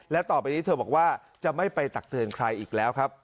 และต่อไปนี้เธอบอกว่าจะไม่ไปตักเตือนใครอีกแล้วครับ